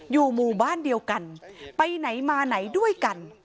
อยู่หมู่บ้านเดียวกันไปไหนมาไหนด้วยกัน